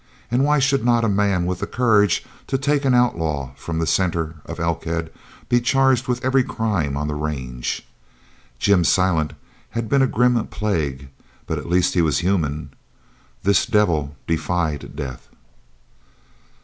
And why should not a man with the courage to take an outlaw from the centre of Elkhead be charged with every crime on the range? Jim Silent had been a grim plague, but at least he was human. This devil defied death.